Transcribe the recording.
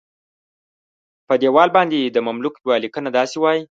په دیوال باندې د مملوک یوه لیکنه داسې وایي.